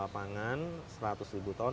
pangan seratus ribu ton